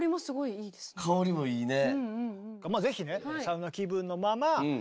香りもいいね。